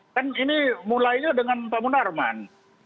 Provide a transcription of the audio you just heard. kan ini mulainya dengan pak munarman